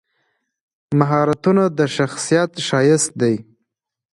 مهارتونه د شخصیت ښایست دی.